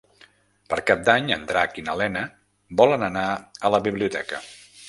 Per Cap d'Any en Drac i na Lena volen anar a la biblioteca.